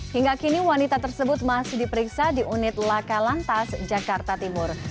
hingga kini wanita tersebut masih diperiksa di unit laka lantas jakarta timur